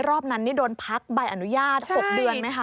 รอบนั้นนี่โดนพักใบอนุญาต๖เดือนไหมคะ